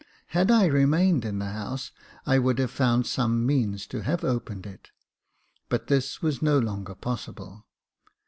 Had I remained in the house, I would have found some means to have opened it ; but this was no longer possible.